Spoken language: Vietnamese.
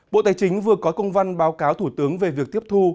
bộ tài chính vừa có công văn báo cáo thủ tướng về việc tiếp thu